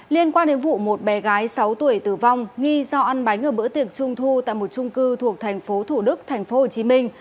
liên quan đến vụ một bé gái sáu tuổi tử vong nghi do ăn bánh ở bữa tiệc trung thu tại một trung cư thuộc tp thủ đức tp hồ chí minh